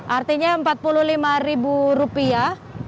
artinya empat puluh lima ribu rupiah